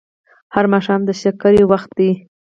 هر ماښام د شکر وخت دی